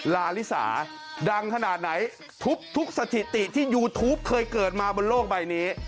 ลาลิสาดังขนาดไหนทุกสถิติที่ยูทูปเคยเกิดมาบนโลกใบนี้